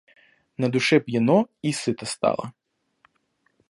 На душе пьяно и сыто стало.